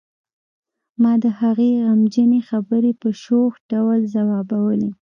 ما د هغې غمجنې خبرې په شوخ ډول ځوابولې